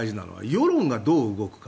世論がどう動くか。